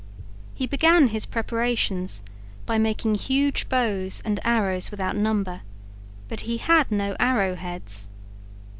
He began his preparations by making huge bows and arrows without number, but he had no arrow heads.